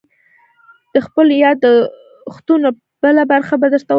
_د خپلو ياد دښتونو بله برخه به درته ولولم.